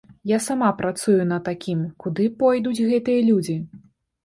Я сама працую на такім, куды пойдуць гэтыя людзі?